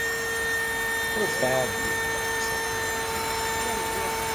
Vår färd gick långsamt dock.